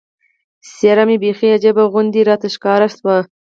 څېره مې بیخي عجیبه غوندې راته ښکاره شوه.